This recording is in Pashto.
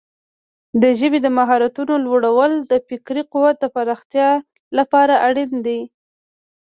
د ژبې د مهارتونو لوړول د فکري قوت د پراختیا لپاره اړین دي.